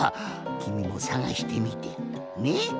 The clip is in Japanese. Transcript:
きみもさがしてみてね！